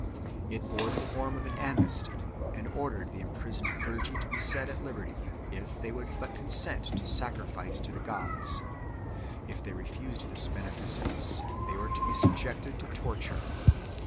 It bore the form of an amnesty, and ordered the imprisoned clergy to be set at liberty, if they would but consent to sacrifice to the gods ; if they refused this beneficence, they were to be subjected to torture.